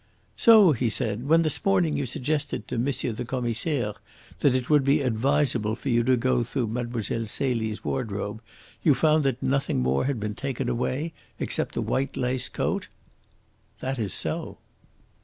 "So," he said, "when this morning you suggested to Monsieur the Commissaire that it would be advisable for you to go through Mlle. Celie's wardrobe, you found that nothing more had been taken away except the white lace coat?" "That is so."